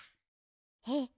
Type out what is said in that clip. えっ。